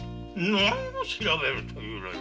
何を調べるというのじゃ。